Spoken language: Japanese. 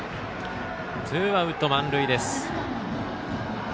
ツーアウト満塁です。